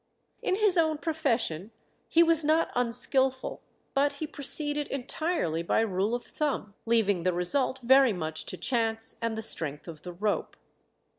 In his own profession he was not unskilful, but he proceeded entirely by rule of thumb, leaving the result very much to chance and the strength of the rope.